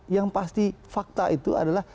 yang pasti fakta itu adalah